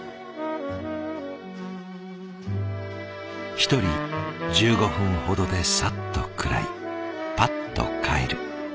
一人１５分ほどでサッと食らいパッと帰る。